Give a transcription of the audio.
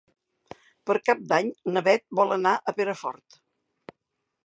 Per Cap d'Any na Beth voldria anar a Perafort.